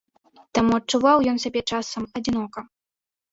Таму адчуваў ён сябе часам адзінока.